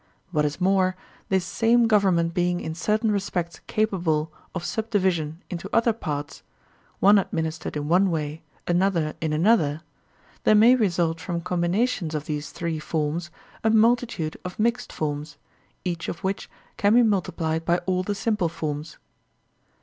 What is more, this same government being in certain respects capable of subdivision into other parts, one ad ministered in one way, another in another, there may result from combinations of these three forms a multi tude of mixed forms, each of which can be multiplied by all the simple forms.